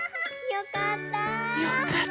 よかった。